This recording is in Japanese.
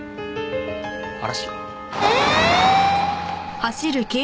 嵐？